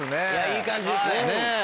いい感じですね。